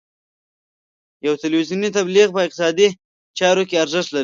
یو تلویزیوني تبلیغ په اقتصادي چارو کې ارزښت لري.